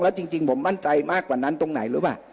จริงผมมั่นใจมากกว่านั้นตรงไหนรู้ป่ะ